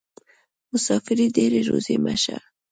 مسافري دې روزي مه شه.